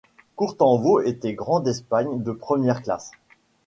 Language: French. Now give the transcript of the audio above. Courtanvaux était Grand d'Espagne de première classe.